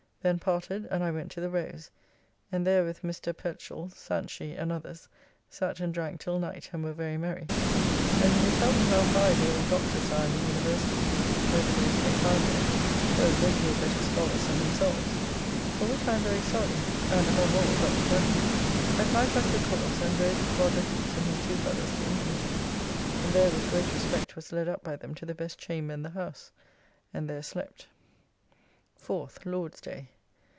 Then parted, and I went to the Rose, and there with Mr. Pechell, Sanchy, and others, sat and drank till night and were very merry, only they tell me how high the old doctors are in the University over those they found there, though a great deal better scholars than themselves; for which I am very sorry, and, above all, Dr. Gunning. At night I took horse, and rode with Roger Pepys and his two brothers to Impington, and there with great respect was led up by them to the best chamber in the house, and there slept. 4th (Lord's day).